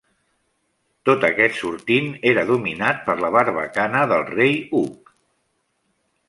Tot aquest sortint era dominat per la Barbacana del Rei Hug.